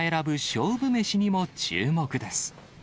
勝負メシにも注目です。